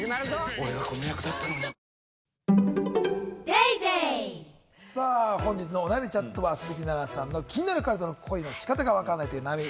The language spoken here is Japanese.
俺がこの役だったのに本日のお悩みチャットバは鈴木奈々さんの気になる彼との恋の仕方がわからないという悩み。